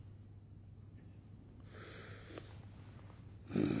「うん」。